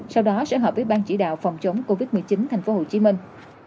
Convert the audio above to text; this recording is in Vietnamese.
sau đó sẽ họp với ban chỉ đạo phòng chống covid một mươi chín thành phố hồ chí minh